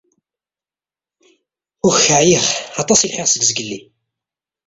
Uk ɛyiɣ, aṭas i lḥiɣ seg zgelli.